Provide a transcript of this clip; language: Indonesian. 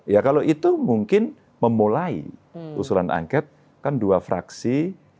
ya kalau itu mungkin memulai usulan angket kan dua fraksi